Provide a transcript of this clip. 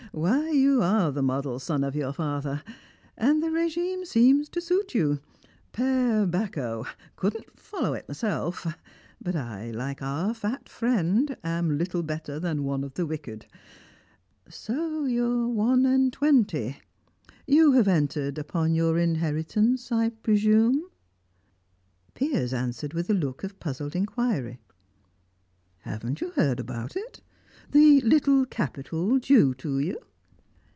Why, you are the model son of your father. And the regime seems to suit you. Per Bacco! couldn't follow it myself: but I, like our fat friend, am little better than one of the wicked. So you are one and twenty. You have entered upon your inheritance, I presume?" Piers answered with a look of puzzled inquiry. "Haven't you heard about it? The little capital due to you."